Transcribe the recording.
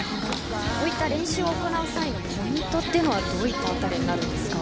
そうした練習を行う際のポイントはどういったあたりですか。